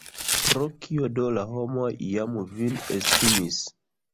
Pro kio do la homoj iam vin estimis?